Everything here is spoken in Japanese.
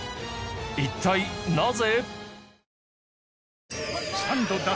一体なぜ？